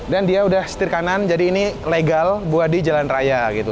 dan dia udah setir kanan jadi ini legal buat di jalan raya gitu